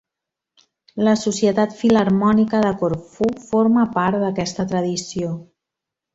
La Societat Filharmònica de Corfú forma part d'aquesta tradició.